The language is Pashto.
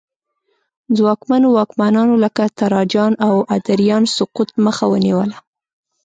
ځواکمنو واکمنانو لکه تراجان او ادریان سقوط مخه ونیوله